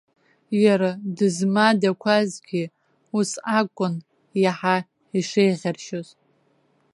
Иара дызмадақәазгьы ус акәын иаҳа ишеиӷьаршьоз.